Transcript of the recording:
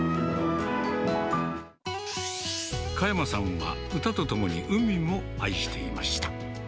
加山さんは歌とともに海も愛していました。